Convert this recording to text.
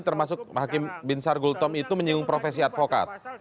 termasuk hakim bin sargultom itu menyinggung profesi advokat